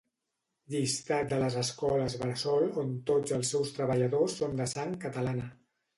Llistat de les escoles bressol on tots els seus treballadors són de sang catalana